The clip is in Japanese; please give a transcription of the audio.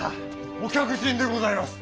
お客人でございます。